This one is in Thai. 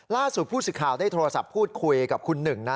ล่าสุดผู้สื่อข่าวได้โทรศัพท์พูดคุยกับคุณหนึ่งนะ